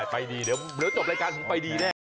ไปดีเดี๋ยวจบรายการผมไปดีแน่